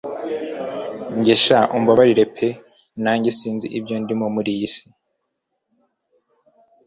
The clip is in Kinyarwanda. Njye sha umbabarire pe nanjye sinzi ibyo ndimo muriyi minsi